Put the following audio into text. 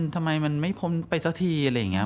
ทำไมมันไม่พ้นไปสักทีอะไรอย่างนี้